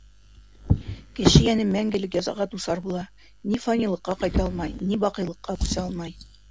Кеше йәне мәңгелек язаға дусар була: ни фанилыҡҡа ҡайта алмай, ни баҡыйлыҡҡа күсә алмай.